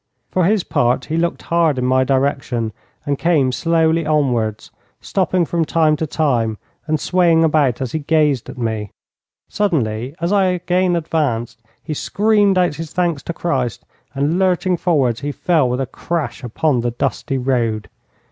For his part, he looked hard in my direction and came slowly onwards, stopping from time to time and swaying about as he gazed at me. Suddenly, as I again advanced, he screamed out his thanks to Christ, and, lurching forwards, he fell with a crash upon the dusty road.